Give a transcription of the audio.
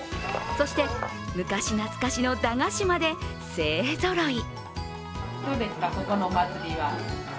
そして昔なつかしの駄菓子まで勢ぞろい。